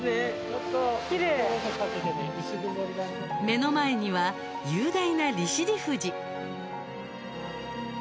目の前には雄大な利尻富士。